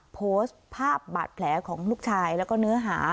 โพสต์ภาพบาดแผลของลูกชายแล้วก็เนื้อหา